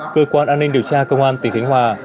cơ quan an ninh điều tra công an tỉnh khánh hòa